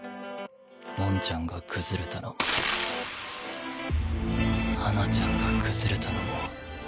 モンちゃんが崩れたのも華ちゃんが崩れたのも。